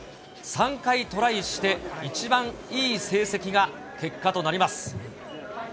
３回トライして、一番いい成績が結果となります。